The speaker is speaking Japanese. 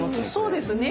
そうですね。